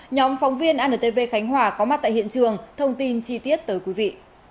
nhóm phóng viên antv khánh hòa có mặt tại hiện trường thông tin chi tiết tới quý vị